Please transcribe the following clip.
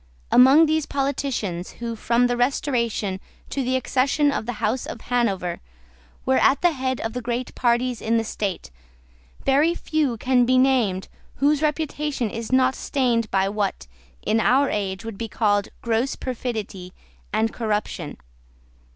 Among those politicians who, from the Restoration to the accession of the House of Hanover, were at the head of the great parties in the state, very few can be named whose reputation is not stained by what, in our age, would be called gross perfidy and corruption.